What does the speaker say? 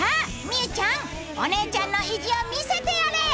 うちゃんお姉ちゃんの意地を見せてやれ。